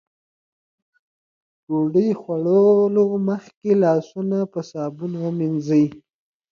د ډوډۍ خوړلو مخکې لاسونه په صابون ومينځئ.